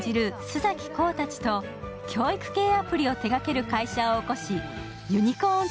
須崎功たちと教育系アプリを手がける会社を起こしユニコーン